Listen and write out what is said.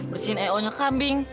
bersihin eo nya kambing